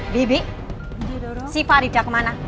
bibi si faridah kemana